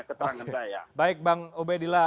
keterangan saya baik bang ubedillah